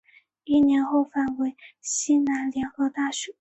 一年后返回西南联合大学。